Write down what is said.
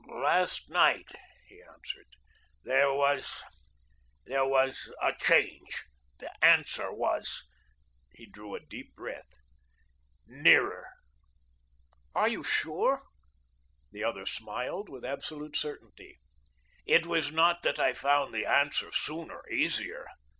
"Last night," he answered, "there was there was a change. The Answer was " he drew a deep breath "nearer." "You are sure?" The other smiled with absolute certainty. "It was not that I found the Answer sooner, easier.